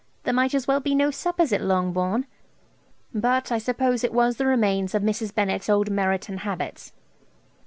There might as well be no suppers at Longbourn; but I suppose it was the remains of Mrs. Bennett's old Meryton habits.'